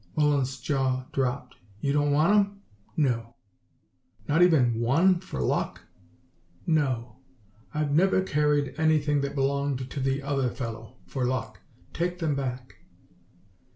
Mullins' jaw dropped. "You don't want 'em?" "No." "Not even one for luck?" "No. I've never carried anything that belonged to the other fellow, for luck. Take them back."